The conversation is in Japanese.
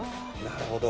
なるほど。